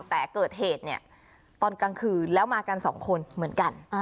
แต่เกิดเหตุเนี่ยตอนกลางคืนแล้วมากันสองคนเหมือนกัน